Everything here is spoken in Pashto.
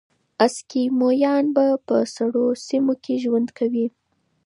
اسکیمویان په سړو سیمو کې ژوند کوي.